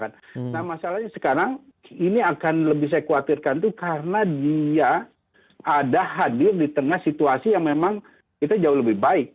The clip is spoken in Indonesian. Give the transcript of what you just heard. nah masalahnya sekarang ini akan lebih saya khawatirkan itu karena dia ada hadir di tengah situasi yang memang kita jauh lebih baik